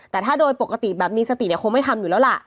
แต่ถ้าโดยปกติแบบมีสติเนี่ยคงไม่ทำอยู่แล้วล่ะ